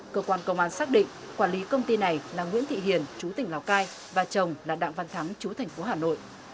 cơ quan công an xác định quản lý công ty này là nguyễn thị hiền chú tỉnh lào cai và chồng là đặng văn thắng chú thành phố hà nội